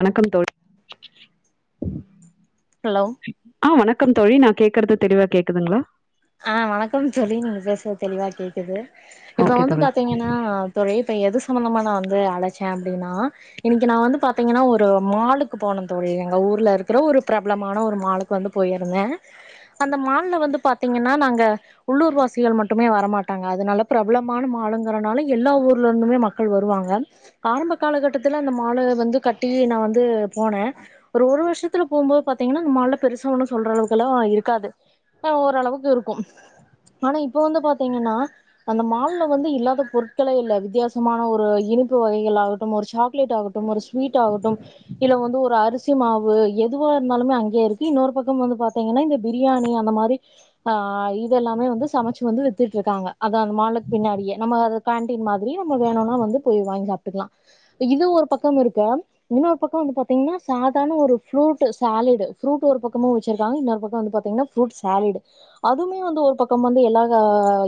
வணக்கம் தோழி ஹலோ ஆ வணக்கம் தோழி நான் கேக்கறது தெளிவா கேக்குதுங்களா ஆ வணக்கம் தோழி நீங்க பேசுறது தெளிவா கேக்குது இப்ப ஓகே வந்து தோழி பாத்தீங்கன்னா தோழி இப்ப எது சம்பந்தமா நா வந்து அழைச்சே அப்டின்னா இன்னைக்கு நா வந்து பாத்தீங்கன்னா ஒரு மாலுக்கு போனேன் தோழி எங்க ஊர்ல இருக்கிற ஒரு பிரபலமான ஒரு மாலுக்கு வந்து போயிருந்தே அந்த மால்ல வந்து பாத்தீங்கன்னா நாங்க உள்ளூர்வாசிகள் மட்டுமே வரமாட்டாங்க அதுனால பிரபலமான மாலுங்கிறனால எல்லா ஊர்ல இருந்துமே மக் க்கள் வருவாங்க ஆரம்ப காலக்கட்டத்துல அந்த மாலு வந்து கட்டி நா வந்து போனே ஒரு ஒரு வருஷத்துல போம்போது பாத்தீங்கன்னா அந்த மால்ல பெருசா ஒன்னு சொல்ற அளவுக்கெல்லா இருக்காது ஆ ஓரளவுக் கு இருக்கும் ஆனா இப்ப வந்து பாத்தீங்கன்னா அந்த மால்ல வந்து இல்லாத பொருட்களே இல்ல வித்தியாசமான ஒரு இனிப்பு வகைகள் ஆகட்டும் ஒரு சாக்லேட் ஆகட் டும் ஒரு ஸ்வீட் ஆகட்டும் இல்ல வந்து ஒரு அரிசி மாவு எதுவா இருந்தாலுமே அங்கேயே இருக்கு இன்னொரு பக்கம் வந்து பாத் தீங்கன்னா இந்த பிரியாணி அந்த மாறி ஆ இதெல்லாமே வந்து சமைச்சு வந்து வித்துட்டு இருக்காங்க அத அந்த மாலுக்கு பின்னாடியே நம்ம அத கேண்டின் மாதிரி நம்ம வேணுனா வந்து போய் வாங்கி சாப் இருக்கலா இது ஒரு பக்கம் இருக்க இன்னொரு பக்க வந்து பாத்தீங்கன்னா சாதாரண ஒரு ஃப்ரூட் சாலட் ஃப்ரூட் ஒரு பக்கமு வச்சுருக்காங்க இன்னொரு பக்கம் வந்து பாத்தீங்கன்னா ஃப்ரூட் சாலட்டு அதுவுமே வந்து ஒரு பக்கம் வந்து எல்லா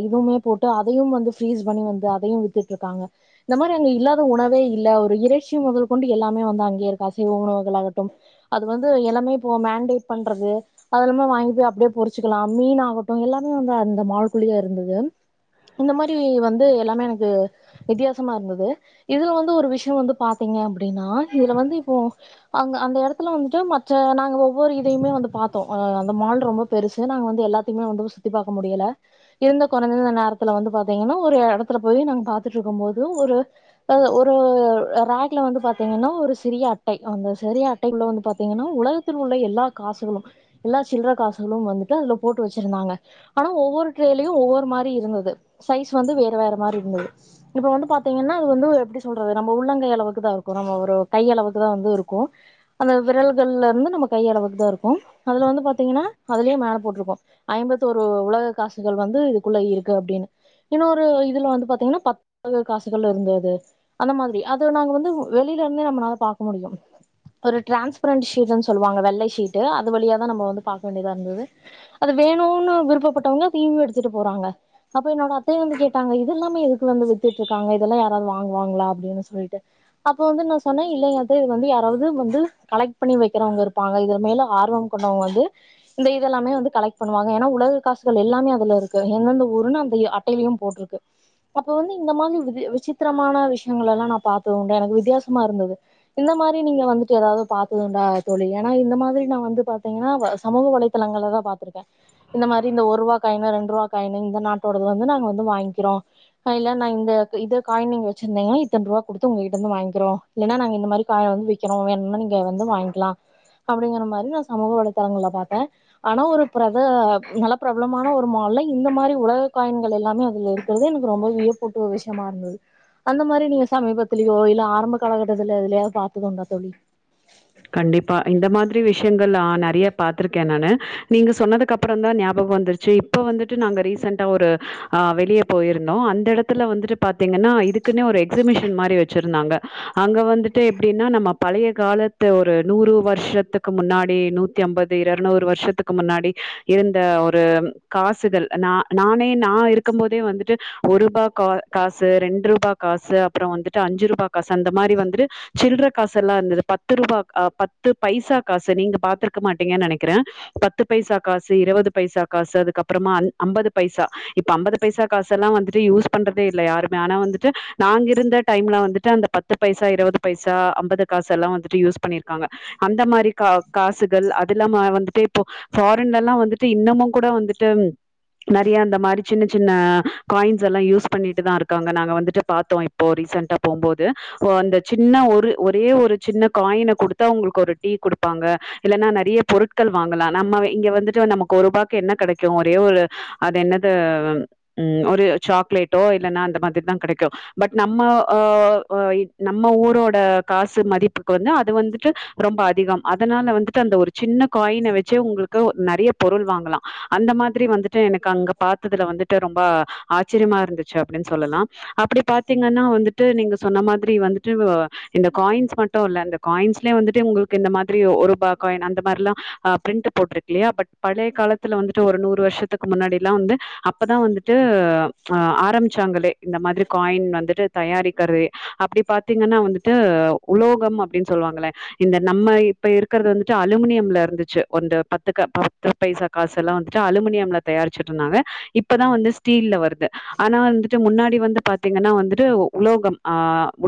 இதுமே போட்டு அதையும் வந்து ஃப்ரீஸ் பண்ணி வந்து அதையு வித்துட்டுருக்காங்க இந்த மாரி அங்க இல்லாத உணவே இல்ல ஒரு ஒரு இறைச்சி முதல் கொண்டு எல்லாமே வந்து அங்கே இருக்கு அசைவ உணவுகள் ஆகட்டும் அது வந்து எல்லாமே இப்போ மேண்டேட் பண்றது அது எல்லாமே வாங்கி போய் அப்டியே பொரிச்சுக்கலா மீன்னா ட்டோ எல்லாமே வந்து அந்த மால்குள்ளியே இருந்தது இந்த மாரி வந்து எல்லாமே எனக்கு வித்தியாசமா இருந்தது இதுல வந்து ஒரு விஷய வந்து பாத்தீங்க அப்டின்னா இதுல வந்து இப்போ அங்க அந்த இடத்துல வந்துட்டு மற்ற நாங்க ஒவ்வொரு இதையுமே வந்து பாத்தோ அந்த மால் ரொம்ப பெருசு நாங்க வந்து எல்லா மே வந்து சுத்தி பாக்க முடியல இருந்த குறைந்த நேரத்துல வந்து பாத்தீங்கன்னா ஒரு இடத்துல போய் நாங்க பாத்துட்டு இருக்கும் போது ஒரு ஒரு ரேக்ல வந்து பாத்தீங்கன்னா ஒரு சிறிய அட்டை அந்த சிறிய அட்ட டைக்குள்ள வந்து பாத்தீங்கன்னா உலகத்தில் உள்ள எல்லா காசுகளு எல்லா சில்ற காசுகளும் வந்துட்டு அதுல போட்டு வச்சிருந்தாங்க ஆனா ஒவ்வொரு ட்ரேலயும் ஒவ்வொரு மாரி இருந்தது சைஸ் வந்து வேற வேற மாரி இருந்தது இப்ப வந்து பாத்தீங்கன்னா அது வந்து எப்டி சொல்றது நம்ம உள்ளங்கை அளவுக்கு தா இருக்கும் நம்ம ஒரு கை அளவுக்கு தா வந்து இருக்கு அந்த விரல்கள்லருந்து நம்ம கை அளவுக்கு தா இருக்கு அதில வந்து பாத்தீங்கன்னா அதுலே மேல போட்ருக்கு ஐம்பத்தோரு உலக காசுகள் வந்து இதுக்குள்ள இருக்கு அப்டின்னு இன்னொரு இதுல வந்து பாத்தீங்கன்னா பத்து உலக காசுகள் இருந்தது அந்த மாதிரி அது நாங்க வந்து வெளில இருந்தே நம்மனால பாக்க முடியும் ஒரு டிரான்ஸ்பரண்ட் ஷீடன்னு சொல்லுவாங்க வெள்ளை ஷீட் அது வழிய தா நம்ம வந்து பாக்க வேண்டியதா இருந்தது அது வேணுனு விருப்பப்பட்டவங்க [unintelligible] எடுத்துட்டு போறாங்க அப்போ என்னோட அத்தையு வந்து கோட்டங்க இத எல்லாமே எதுக்கு வந்து வித்துட்டு இருக்காங்க இதெல்லா யாராவது வாங்குவாங்களா அப்டின்னு சொல்லிட்டு அப்ப வந்து நா சொன்னே இல்லைங்க அது வந்து யாராவது வந்து கலெக்ட் பண்ணி வெக்கிறவுங்க இருப்பாங்க இது மேல ஆர்வம் பண்ணவங்க வந்து இந்த இதெல்லாமே வந்து கலெக்ட் பண்ணுவாங்க ஏனா உலக காசுகள் எல்லாமே அதுல இருக்கு எந்தெந்த ஊருன் அந்த எ அட்டையிளையு போட்ருக்கு அப்ப வந்து இந்த மாதிரி ஒரு இது விசித்திரமான விஷியங்கள் எல்லா நா பாத்தது உண்டு எனக்கு வித்தியாசமா இருந்தது இந்த மாரி நீங்க வந்துட்டு ஏதாவது பாத்ததுண்டா தோழி ஏனா இந்த மாதிரி நா வந்து பாத்தீங்கனா வ சமூக வலை சிலங்கள தா பாத்துருக் இந்த மாரி இந்த ஒரு ரூவா காயினு ரெண்டு ரூவா காயினு இந்த நாட்டோடது வந்து நாங்க வந்து வாய்ங்கிறோ ஆ இல்ல நா இந்த இது காயின் இங்க வச்சிருந்தங்கனா இத்தன் ரூவா குடுத்து உங்ககிட்ட இருந்து வாய்ங்கிருவோ இல்லனா நாங்க இந்த மாரி காய்ன் வந்து விக்கிறோ வேணுனா நீங்க வந்து வாய்ங்கிலா அப்டிங்கிற மாரி நா சமூக வலைதளங்கள்ள பாத்தே ஆனா ஒரு அப்புற அதா நல்லா பிரபலமான ஒரு மால்ல இந்த மாரி உலக காயின்கள் எல்லாமே அதுல் இருக்கிறது எனக்கு ரொம்ப வியப் கூட்டு விஷியமா இருந்தது அந்த மாரி நீங்க சமீபத்துலயோ இல்ல ஆரம்ப காலகட்டத்துல எதுலயாவது பாத்ததுண்டா தோழி கண்டிப்பா இந்த மாதிரி விஷியங்கள் ஆ நெறைய பாத்திருக்கே நானு நீங்க சொன்னதுகப்புற தா ஞாபக வந்துரு செரி இப்ப வந்துட்டு நாங்க ரீசெண்டா ஒரு அ வெளிய போய்ருந்தோ அந்த எடத்துல வந்துட்டு பாத்தீங்கன்னா இதுக்குனே ஒரு எக்ஸிஃபிஷன் மாரி வச்சிருந்தாங்க அங்க வந்துட்டு எப்டினா நம்ம பழைய கால த்து ஒரு நூறு வருஷத்துக்கு முன்னாடி நூத்தி அம்பது எறநூறு வருஷத்துக்கு முன்னாடி இருந்த ஒரு காசுகள் நா நானே நா இருக்கம் போதே வந்துட்டு ஒரு ரூபா கா காசு ரெண் ரூபா காசு அப்புற வந்துட்டு அஞ்சு ரூபா காசு அந்த மாரி வந்துட்டு சில்ற காசு எல்லா இருந்தது பத்து ரூபா ஆ பத்து பைசா காசு நீங்க பாத்துருக்க மாட்டீங்கன் நெனைக்கிற பத்து பைசா காசு இருவது பைசா காசு அதுக்கப்புறமா அ ஐம்பது பைசா இப்ப அம்பது பைசா காசு எல்லா வந்துட்டு யூஸ் பண்றதே இல்ல யாருமே ஆனா வந்துட்டு நாங்க இருந்த டைம்ல வந்துட்டு அந்த பத் து பைசா இருவது பைசா அம்பது காசெல்லா வந்துட்டு யூஸ் பண்ணிர்க்காங்க அந்த மாரி கா காசுகள் அதுல்லாம வந்துட்டு இப்போ ஃபாரின்ல எல்லா வந்துட்டு இன்னமு கூட வந்துட்டு மாரி அந்த மாரி சின்ன சின்ன காயின்ஸ் எல்லா யூஸ் பண்ணிட்டு தா இருக்காங்க நாங்க வந்துட்டு பாத்து போ ரீசன்டா போபோது போ அந்த சின்ன ஒரு ஒரே ஒரு சின்ன காயின குடுத்தா உங்களுக்கு ஒரு டீ குடுப்பாங்க இல்லனா நெறைய பொருட்கள் வாங்கலா நம்ம வே இங்க வந்துட்டு நமக்கு ஒருபாக்கு என்ன கெடைக்கு ஒரே ஒரு அது என்னது ம் ஒரு சாக்லேட்டோ இல்லனா அந்த மாதிர்தா கெடைக்கு பட் நம்ம ஆ ஆ இ நம்ம ஊரோட காசு மதிப்புக்கு வந்து அது வந்துட்டு ரொம்ப அதிகம் அதனால வந்துட்டு அந்த ஒரு சின்ன காயின வச்சே உங்களுக்கு நெறைய பொருள் வாங்கலா அந்த மாதிரி வந்துட்டு எனக்கு அங்க பாத்ததுல வந்துட்டு ரொம்ப ஆச்சிரியமா இருந்துச்சி அப்டின் சொல்லலா அப்டி பாத்தீங்கனா வந்துட்டு நீங்க சொன்ன மாதிரி வந்துட்டு இந்த காயின்ஸ் மட் டு இல்ல இந்த காயின்ஸ்ல வந்துட்டு உங்களுக்கு இந்த மாதிரி ஒருபா காயின் அந்த மாரிலா ஆ பிரிண்ட் போட்டிருக் இல்லையா பட் பழைய காலத்துல வந்துட்டு ஒரு நூறு வருஷத்துக்கு முன்னாடிலா வந்து அப்பதா வந்துட்டு அ ஆரம்பிச்சாங்களே இந்த மாதிரி காயின் வந்துட்டு தயாரிக்கிறது அப்டி பாத்தீங்கனா வந்துட்டு உலோகம் அப்டின் சொல்வாங்ளே இந்த நம்ம இப்ப இருக்கிறது வந்துட்டு அலுமினியம்ல இருந்துச்சு அந்த பத்துக்க பத்து பைசா காசு எல்லா வந்துட்டு அலுமினியம்ல தயாரிச்கிட்டு இருந்தாங்க இப்பதா வந்து ஸ்டீல்ல வருது ஆனா வந்துட்டு முன்னாடி வந்து பாத்தீங்கனா வந்துட்டு உலோகம் ஆ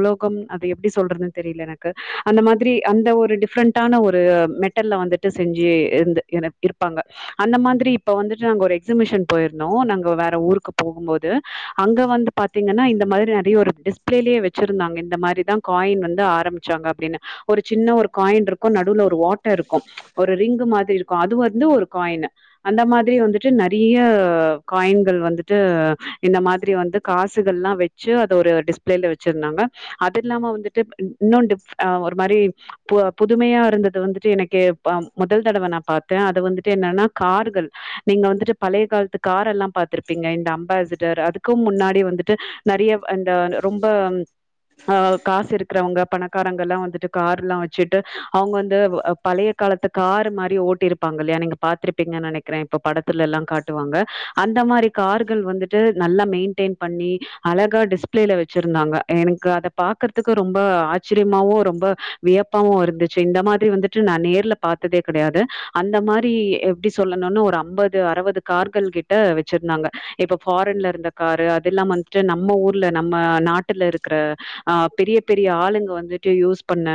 உலோகம் அது எப்டி சொல்றதுன் தெரியல எனக் கு அந்த மாதிரி அந்த ஒரு டிஃப்ரெண்டான ஒரு மெட்டல்ல வந்துட்டு செஞ்சி இர்ந்து என இருப்பாங்க அந்த மாதிரி இப்ப வந்துட்டு நாங்க ஒரு எக்ஸிமிஷின் போய்ருந்தோ நாங்க வேற ஊருக்கு போகும் போது அங்க வந்து பாத்தீங்கனா இந்த மாரி நெறைய ஒரு டிஸ்பிளேலேயே வச்சிருந்தாங்க இந்த மாரிதா காயின் வந்து ஆரமி ச்சாங்க அப்டின்னு ஒரு சின்ன ஒரு காயின் இருக்கு நடுவுல ஒரு ஒட்டருக்கு ஒரு ரிங்கு மாதிரி இருக்கு அது வந்து ஒரு காயினு அந்த மாத்ரி வந்துட்டு நெறையா காயின்கள் வந்துட்டு இந்த மாத்ரி வந்து காசுகள்ல்லா வெ ச்சு அது ஒரு டிஸ்பிளேல வெச்சிருந்தாங்க அது இல்லாம வந்துட்டு இன்னு டிப் அ ஒரு மாரி பு புதுமையா இருந்தது வந்துட்டு எனக்கு ப முதல் தடவ நா பாத்தே அது வந்துட்டு என்னன்னா கார்கள் நீங்க வந்துட்டு பழைய காலத்து காரெல்லா பாத்துருப்பீங்க இந்த அம்பாசிடர் அதுக்கு முன்னாடி வந்துட்டு நெறையா அந்த ரொம்ப ஆ காசு இருக்குறவ்ங்க பணக்காரங்கல்லா வந்துட்டு காரெல்லா வெச்சிட்டு அவுங்க அந்து பழைய காலத்து காரு மாரி ஓட்டிரு ப்பாங்கல்லையா நீங்க பாத்திருப்பீங்க நெனைக்கிறே இப்ப படத்தில எல்லா காட்டுவாங்க அந்த மாத்ரி கார்கள் வந்து ட்டு நல்லா மெண்டைன் பண்ணி அழகா டிஸ்பிலேல வெச்சிருந்தாங்க எனக்கு அத பாக்குறதுக்கு ரொம்ப ஆ ச்சிரியமாவு ரொம்ப வியப்பாவு இருந்துச்சு இந்த மாத்ரி வந்துட்டு நா நேர்ல பாத்ததே கெடையாது அந்த மாரி எப்டி சொல்லணுனு ஒரு அம்பது அறுவது கார்கள் கி ட்ட வெச்சிருந்தாங்க இப்ப ஃபாரின்ல இருந்த காரு அதெல்லாம் வந்துட்டு நம்ம ஊர்ல நம்ம நாட்டுல இருக்குற ஆ பெரிய பெரிய ஆளுங்க வந்துட்டு யூஸ் பண்ண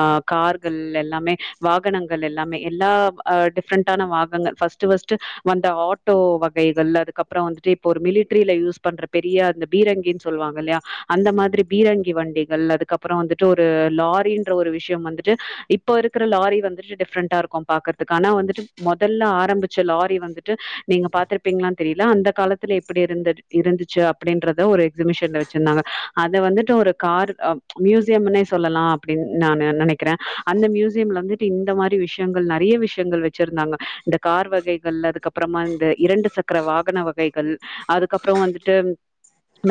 அ கார்கள் எல்லாமே வாகனங்கள் எல்லாமே எல்லா அ டிஃப்ரெண்டான வாகண ஃபஸ்ட்டு ஃபஸ்ட்டு வந்த ஆட்டோ வகைகள் அதுக்கப்பறோ வந்துட்டு இப்ப ஒரு மிலிடரியில யூஸ் பண்ற பெரிய அந்த பீரங்கின் சொல்லுவாங்கல்லையா அந்த மாத்ரி பீரங்கி வண்டிகள் அதுக்கப்புறம் வந்து ட்டு ஒரு லாரின்ற ஒரு விஷ்யம் வந்துட்டு இப்ப இருக்குற லாரி வந்துட்டு டிஃப்ரெண்டா இருக்கு பாக்கறதுக்கு ஆனா வந்துட்டு மொதல்ல ஆரம்பிச்ச லாரி வந்துட்டு நீங்க பாத்திருப்பிங்ளான் தெரில அந்த காலத்துல எப்டி இருந்த இருந்துச்சு அப்டின்றத ஒரு எக்ஸிபிஷன்ல வெச்சிருந்தாங்க அத வந்துட்டு ஒரு கார் அ மியூ ஸியம்னே சொல்லலா அப்டின் நா நெனைக்கிறே அந்த மியூஸியம்ல வந்து ட்டு இந்த மாரி விஷ்யங்கள் நெறைய விஷ்யங்கள் வெச்சிருந்தாங்க இந்த கார் வகைகள் அதுக்கப்புறமா இந்த இரண்டு சக் இருக்கற வாகன வகைகள் அதுக்கப்றோ வந்துட்டு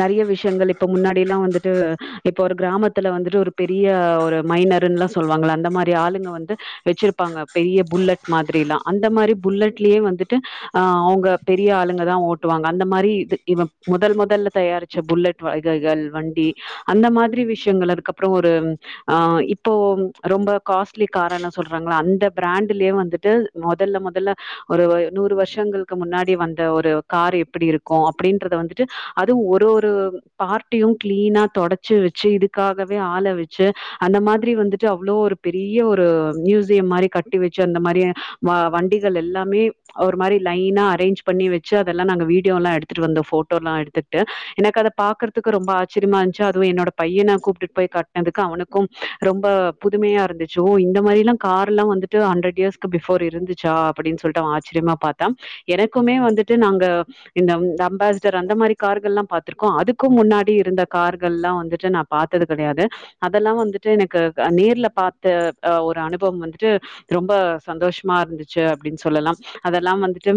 நெறைய விஷ்யங்கள் இப்ப முன்னாடி எல்லா வந்துட்டு இப்ப ஒரு கிராம த்துல வந்துட்டு ஒரு பெரிய ஒரு மைனர்ருலா சொல்லுவாங்கல்ல அந்த மாரி ஆளுங்க வந்து வெச்சிருப்பாங்க பெரிய புல்லட் மாத்ரி எல்லா அந்த மாரி புல்லட்லயே வந்துட்டு ஆ அவுங்க பெரிய ஆளுங்கதா ஓட்டுவாங்க அந்த மாரி இது இவ மொதல் மொதல்ல தயாரி ச்ச புல்லட் வகைகள் வண்டி அந்த மாத்ரி விஷ்யங்கள் அதுக்கப்பறோ ஒரு ஆ இப்போ ரொம்ப காஸ்ட்லி காரல்லா சொல்றாங்களா அந்த பிராண்ட்டுலியே வந்துட்டு மொதல்ல மொதல்ல ஒரு ஒ நூறு வருஷங்களுக்கு முன்னாடி வந்த ஒரு கார் எப்டி இருக்கும அப்டின்றத வந்துட்டு அது ஒரு ஒரு பார்ட்டியு கிளீனா தொடச்சி வெச்சு இதுக்காகவே ஆள வச்சு அந்த மாத்ரி வந்துட்டு அவ்ளோ ஒரு பெரிய ஒரு மியூசியம் மாரி கட்டி வெச்சு அந்த மாரி வ வண்டிகள் எல்லாமே ஒரு மாரி லைனா அரேஞ் பண்ணி வெச்சு அதெல்லா நாங்க வீடியோலா எடுத்துட்டு வந்தோ ஃபோட்டோலா எடுத்து ட்டு எனக்கு அத பாக்கறதுக்கு ரொம்ப ஆச்சரியமா இருந்துச்ச அதுவு என்னோட பைய்யன கூப்டுட் போய் காட்னதுக்கு அவனுக்கும் ரொம்ப புதுமையா இருந்துச்சு இந்த மாரில்லா காரெல்லா வந்து ஹண்ட்ரட் இயர்ஸ்கு பிஃபோர் இருந்துச்சா அப்டின் சொல்ட்டு அவ ஆச்சரியமா பாத்தா எனக்குமே வந்துட்டு நாங்க இந்த தம் அம்பாஸ்டர் அந்த மாரி கார்கள்ல்லா பாத்துருக்கோ அதுக்கு முன்னாடி இருந்த கார்கள்ல்லா வந்துட்டு நா பாத்தது கெடையாது அதெல்லா வந்துட்டு எனக்கு நேர்ல பாத்த அ ஒரு அனுபவம் வந்துட்டு ரொம்ப சந்தோஷமா இருந்துச்சு அப்டின் சொல்லலா அதெல்லா வந்துட்டு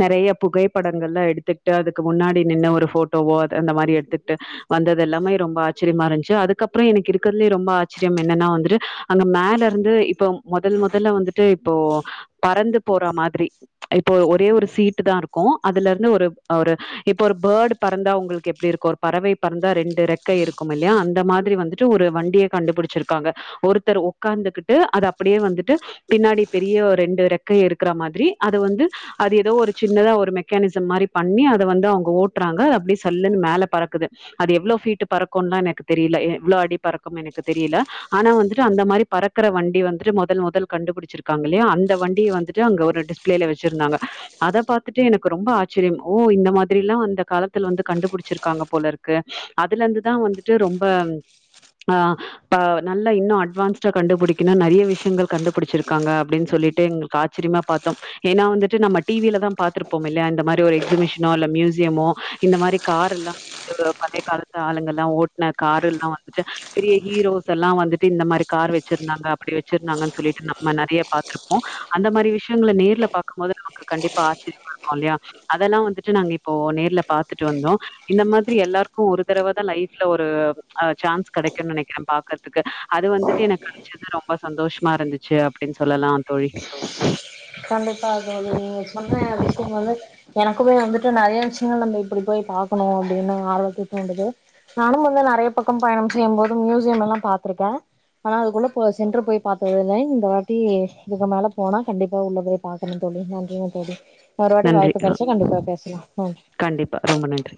நெறைய புகைப்படங்கள்லா எடுத்துக்கிட்டு அதுக்கு முன்னாடி நின்னு ஒரு ஃபோட்டோவோ அத அந்த மாரி எடுத்துட்டு வந்தது எல்லாமே ரொம்ப ஆ ச்சரியமா இருந்துச்சு அதுக்கப்பற எனக்கு இருக்கிறதுலே ரொம்ப ஆச்சரியம் என்னன்னா வந்துட்டு அங்க மேல இருந்து இப்போ முதல் முதல்ல வந்துட்டு இப்போ பறந்து போறா மாதிரி இப்போ ஒரே ஒரு சீட்டு தா இருக்கு அதுலருந்து ஒரு ஒரு இப்போ ஒரு பேர்ட் பறந்தா உங்களுக்கு எப்படி இருக்கு ஒரு பறவை பறந்தா ரெண்டு ரக் [inaudible] மல்யான் இந்த மாதிரி வந்துட்டு ஒரு வண்டியை கண்டுபிடிச்சிருக்காங்க ஒருத்தர் உக்காந்துகிட்டு அது அப்படியே வந்துட்டு பின்னாடி பெரிய ரெண்டு ரெக்க இருக்கிற மாதிரி அது வந்து அது ஏதோ ஒரு சின்னதா ஒரு மெக்கானிஸம் மாரி பண்ணி அத வந்து அவங்க ஓட்றாங்க அப்படி சல்லுன்னு மேல பறக்குது அது எவ்வளோ ஃபீட்டு பறக்கும்னா எனக்கு தெரியல எவ்ளோ அடி பறக்கும்னு எனக்கு தெரியல ஆனா வந்துட்டு அந்த மாரி பறக்கற வண்டி வந்துட்டு மொதல் மொதல் கண்டுபிடிச்சிருக்கங்க இல்லையா அந்த வண்டிய வந்துட்டு அங்க ஒரு டிஷ்பிளேல வச்சிருந்தாங்க அத பாத்துட்டு எனக்கு ரொம்ப ஆச்சரியம் ஓ இந்த மாதிரில்லா அந்த காலத்தில் வந்து கண்டுபுடிச்சிருக்காங்க போல இருக் கு அதுலேந்து அதா வந்துட்டு ரொம்ப ஆ ஆ நல்லா இன்னு அட்வான்ஸ்டா கண்டுபுடி கின்னா நறைய விஷயங்கள் கண்டுபிடிச்சிருக்காங்க அப்படின்னு சொல்லிட்டு எங்களுக்கு ஆச்சரியமா பாத்தோ ஏன்னா வந்துட்டு நம்ம டி விலதா பாத்திருப்போ இல்லையா இந்த மாதிரி ஒரு எக்ஸிபிஷனோ இல்ல மியூசியமோ இந்த மாரி கார் எல்லா பழைய காலத்து ஆளுங்கள் ஓட்ன கரு எல்லா வந்து பெரிய ஹீரோஸ் எல்லா வந்துட்டு இந்த மாரி கார் வச்சிருந்தாங்க அப்படி வச் சுருந்தாங்கன்னு சொல்லிட்டு நம்ம நெறைய பாத்துருப்போ அந்த மாரி விஷயங்கள நேர்ல பாக்கும்போது நமக்கு கண்டிப்பா ஆச்சரியமா இருக்கு இருக்கு இல்லையா அதெல்லா வந்துட்டு நாங்க இப்போ நேர்ல பாத்துட்டு வந்தோ இந்த மாதிரி எல்லாருக்கு ஒரு தடவ தா லைஃப் ல ஒரு சான்ஸ் ஆ கெடைக்கும்னு நெனைக்கிறே பாக்குறதுக்கு அது வந்துட்டு எனக்கு கெடைச் து ரொம்ப சந்தோஷமா இருந்துச்சு அப்படின்னு சொல்லலா தோழி கண்டிப்பா தோழி நீங்க சொன்ன விஷய வந்து எனக்குமே வந்துட்டு நறைய விஷயங்கள் நம்ம இப்படி போய் பாக்கணு. அப்படின்னு ஆர்வத்த தூண்டுது நானும் வந்து நறைய பக்கம் பயணம் செய்யும்போது மியூசியமெல்லா பாத்திருக்கே ஆனா அதுக்குள்ள போ சென்று போய் பாத்ததில்ல இந்த வாட்டி இதுக்கு மேல போனா கண்டிப்பா உள்ளதிர பாக்கணு தோழி நன்றிங்க தோழி மறுவாட்டி நன்றி. வாய்ப்பு அ கெடச்சா கண்டிப்பா பேசலா ம் கண்டிப்பா ரொம்ப நன்றி